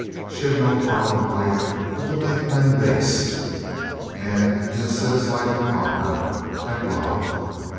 She had no part in life but to make men base. And he had set his life upon her. Had loved?